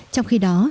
trong khi đó